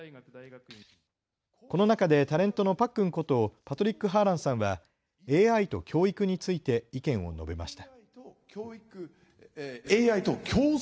この中でタレントのパックンことパトリック・ハーランさんはＡＩと教育について意見を述べました。